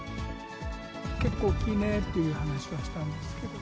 結構大きいねっていう話はしたんですけど。